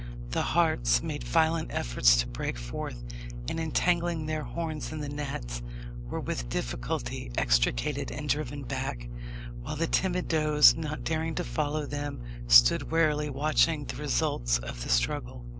The harts made violent efforts to break forth, and, entangling their horns in the nets, were with difficulty extricated and driven back; while the timid does, not daring to follow them, stood warily watching the result of the struggle.